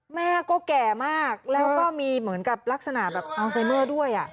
แม่ก็แก่มากแล้วก็มีเหมือนกับลักษณะแบบอัลไซเมอร์ด้วย